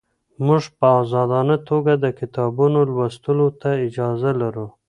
موږ په ازادانه توګه د کتابونو لوستلو ته اجازه لرو.